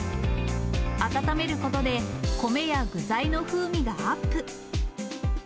温めることで、米や具材の風味がアップ。